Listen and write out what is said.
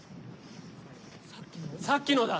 さっきのだ。